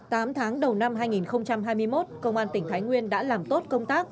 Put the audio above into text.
tám tháng đầu năm hai nghìn hai mươi một công an tỉnh thái nguyên đã làm tốt công tác